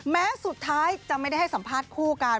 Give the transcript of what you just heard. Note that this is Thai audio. แม้สุดท้ายจะไม่ได้ให้สัมภาษณ์คู่กัน